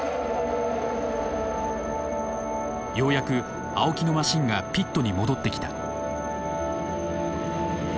ようやく青木のマシンがピットに戻ってきた。